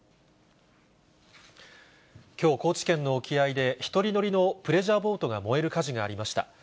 きょう、高知県の沖合で１人乗りのプレジャーボートが燃える火事がありました。